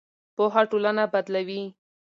پوهه ټولنه بدلوي.